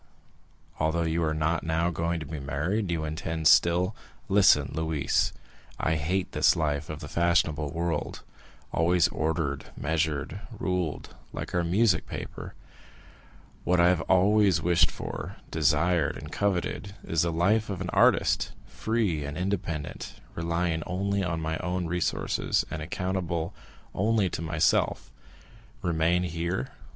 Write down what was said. —although you are not now going to be married, you intend still——" "Listen, Louise. I hate this life of the fashionable world, always ordered, measured, ruled, like our music paper. What I have always wished for, desired, and coveted, is the life of an artist, free and independent, relying only on my own resources, and accountable only to myself. Remain here?